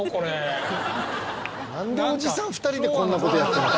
「なんでおじさん２人でこんな事やってる」